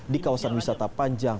di kawasan wisata panjang